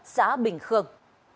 xã bình khương